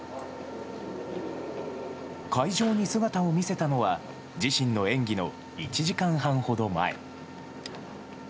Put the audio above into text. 会場に姿を見せたのは、自身の演技の１時間半ほど前。